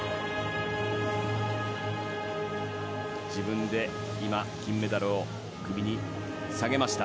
自分で今、金メダルを首に提げました。